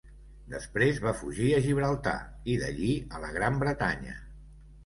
Després va fugir a Gibraltar i d'allí a la Gran Bretanya.